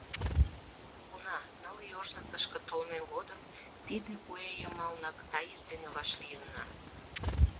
Уна, ныл ий ожно тышке толмем годым тиде куэ йымалнак Таис дене вашлийынна.